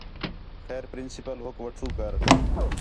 خیر پرنسپل ہوک وٹھو کر